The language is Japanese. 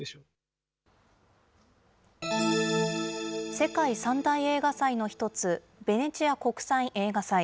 世界３大映画祭の１つ、ベネチア国際映画祭。